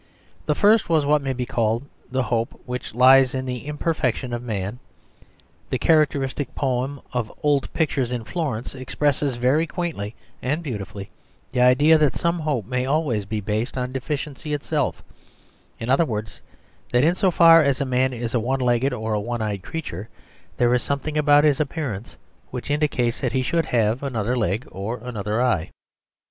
The first was what may be called the hope which lies in the imperfection of man. The characteristic poem of "Old Pictures in Florence" expresses very quaintly and beautifully the idea that some hope may always be based on deficiency itself; in other words, that in so far as man is a one legged or a one eyed creature, there is something about his appearance which indicates that he should have another leg and another eye.